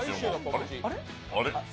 あれ？